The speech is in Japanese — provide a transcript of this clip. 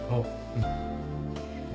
うん。